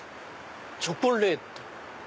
チョコレート。